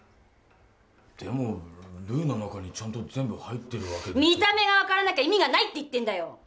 でもルーの中にちゃんと全部入ってる見た目が分からなきゃ意味がないって言ってんだよ！